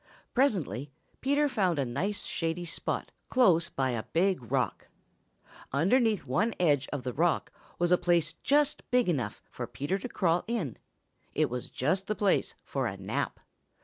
Presently Peter found a nice, shady spot close by a big rock. Underneath one edge of the rock was a place just big enough for Peter to crawl in it was just the place for a nap.